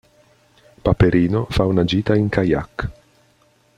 Paperino fa una gita in kayak.